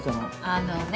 あのね。